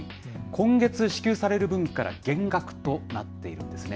今月支給される分から減額となっているんですね。